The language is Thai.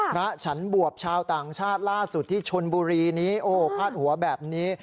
พระฉันบวบชาวต่างชาติล่าสุดที่ชนบุรีนี้โอ้พาดหัวแบบนี้